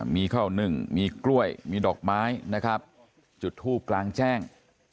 มีข้าวหนึ่งมีกล้วยมีดอกไม้นะครับจุดทูบกลางแจ้ง